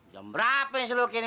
jam berapa sih lo kini